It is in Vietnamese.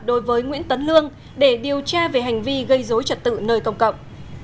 đối với nguyễn tấn lương để điều tra về hành vi gây dối trật tự nơi công cộng